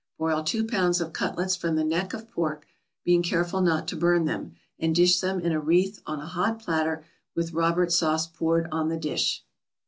Broil two pounds of cutlets from the neck of pork, being careful not to burn them, and dish them in a wreath on a hot platter with Robert sauce poured on the dish.